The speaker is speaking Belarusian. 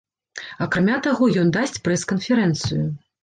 Акрамя таго, ён дасць прэс-канферэнцыю.